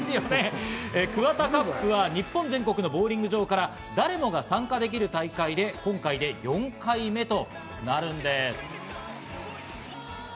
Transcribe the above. ＫＵＷＡＴＡＣＵＰは日本全国のボウリング場から誰もが参加できる大会で今回で４回目となるんです。